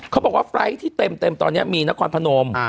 เขาบอกว่าไฟล์ทที่เต็มตอนนี้มีนครพนม